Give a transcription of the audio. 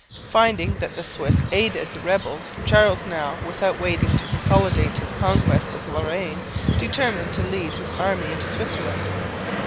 Finding that the Swiss had aided the rebels, Charles now, without waiting to consolidate his conquest of Lorraine, determined to lead his army into Switzerland.